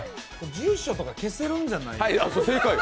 住所とか消せるんじゃないですか？